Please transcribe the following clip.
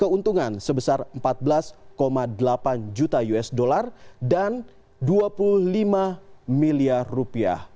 keuntungan sebesar empat belas delapan juta usd dan dua puluh lima miliar rupiah